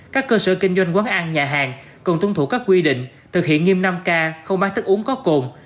các cơ sở kinh doanh quán ăn nhà hàng cần tuân thủ các quy định thực hiện nghiêm năm k không mang thức uống có cồn